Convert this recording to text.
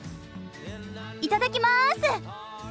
いただきます！